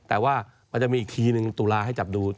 แต่ว่ามันจะมีอีกทีหนึ่งตุลาให้จับดู